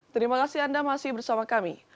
terima kasih anda masih bersama kami